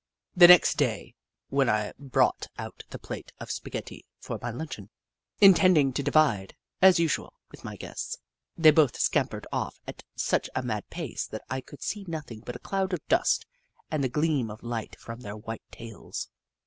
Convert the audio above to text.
The next day, when I brought out the plate of spaghetti for my luncheon, intending to divide, as usual, with my guests, they both scam pered off at such a mad pace that I could see nothing but a cloud of dust and the gleam of light from their white tails.